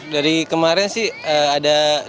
dari kemarin sih ada dengar dengar kabar ada renovasi